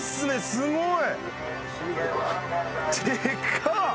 すごい。